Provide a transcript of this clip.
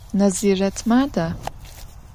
Naziret mada?